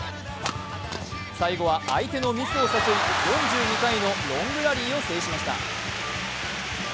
最後は相手のミスを誘い４２回のロングラリーを制しました。